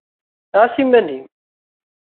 Ɛas iman-im!